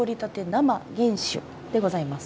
生原酒でございます。